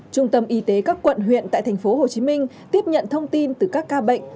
trung tâm y tế các quận huyện tại tp hcm tiếp nhận thông tin từ các ca bệnh